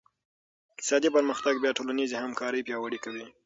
اقتصادي پرمختګ بیا ټولنیزې همکارۍ پیاوړې کوي.